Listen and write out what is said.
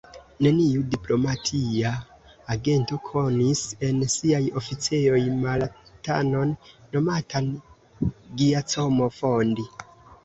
Neniu diplomatia agento konis en siaj oficejoj Maltanon nomatan Giacomo Fondi.